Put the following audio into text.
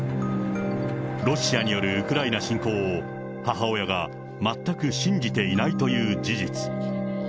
ロシアによるウクライナ侵攻を母親が全く信じていないという事実。